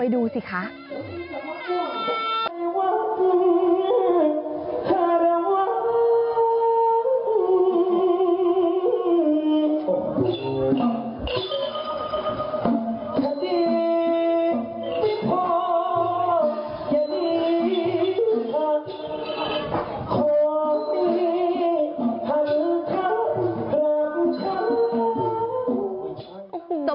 ดูสิคะ